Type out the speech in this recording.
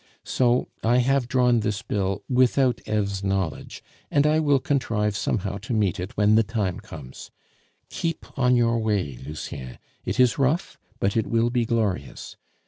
So I have drawn this bill without Eve's knowledge, and I will contrive somehow to meet it when the time comes. Keep on your way, Lucien; it is rough, but it will be glorious.